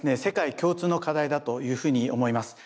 世界共通の課題だというふうに思います。